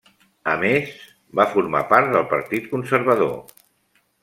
A més, va formar part del Partit Conservador.